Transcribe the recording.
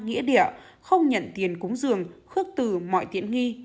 nghĩa địa không nhận tiền cúng giường khước từ mọi tiện nghi